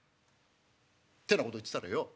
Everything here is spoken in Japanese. ってなこと言ってたらよ